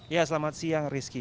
ya selamat siang rizky